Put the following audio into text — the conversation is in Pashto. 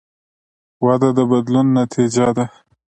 وده د بدلون نتیجه ده.